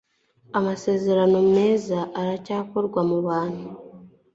Amasezerano meza aracyakorwa mubantu